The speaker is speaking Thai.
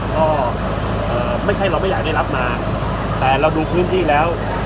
ก็ไม่ใช่เราไม่อยากได้รับมาแต่เราดูพื้นที่แล้ว